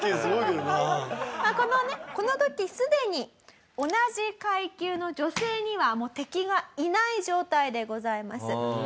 このねこの時すでに同じ階級の女性にはもう敵がいない状態でございます。